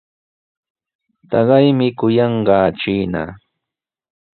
Taqaymi kuyanqaa chiina.